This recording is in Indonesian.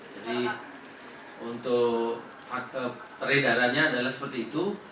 jadi untuk peredarannya adalah seperti itu